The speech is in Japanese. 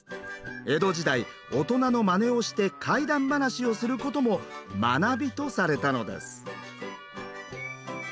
江戸時代大人のまねをして怪談話をすることも「まなび」とされたのです。